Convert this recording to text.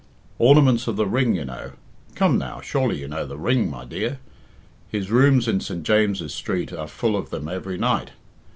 "Ornaments of the Ring, you know. Come now, surely you know the Ring, my dear. His rooms in St. James's Street are full of them every night.